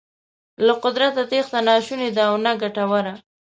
له قدرته تېښته نه شونې ده او نه ګټوره.